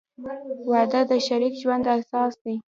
• واده د شریک ژوند اساس دی.